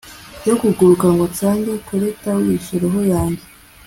yo kuguruka ngo nsange koleta wishe roho yanjye